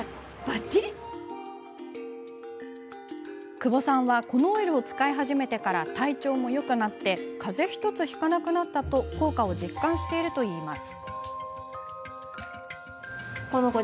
久保さんはこのオイルを使い始めてから体調もよくなってかぜひとつひかなくなったと効果を実感しているといいます。